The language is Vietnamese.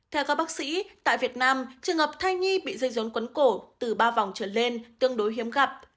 theo các bác sĩ tại việt nam trường hợp thai nhi bị dây rốn quấn cổ từ ba vòng trở lên tương đối hiếm gặp